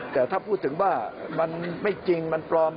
แต่ถ้าพูดถึงว่ามันไม่จริงมันปลอม